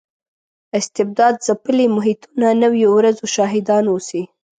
استبداد ځپلي محیطونه نویو ورځو شاهدان اوسي.